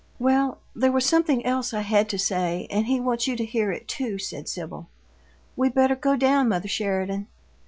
"Well, there was something else I had to say, and he wants you to hear it, too," said Sibyl. "We better go down, mother Sheridan."